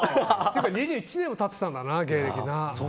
２１年も経ってたんだな芸歴な。